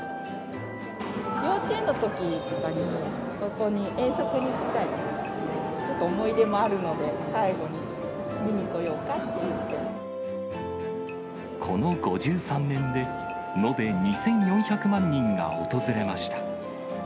幼稚園のときとかに、ここに遠足で来たり、ちょっと思い出もあるので、最後に見に来よこの５３年で、延べ２４００万人が訪れました。